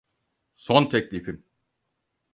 Son teklifim.